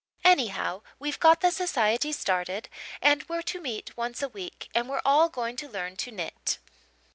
Anyhow, we've got the society started and we're to meet once a week, and we're all going to learn to knit.